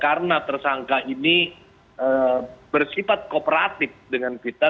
karena tersangka ini bersifat kooperatif dengan kita